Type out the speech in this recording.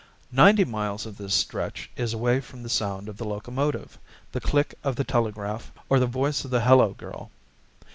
Ninety miles of this stretch is away from the sound of the locomotive, the click of the telegraph, or the voice of the "hello girl."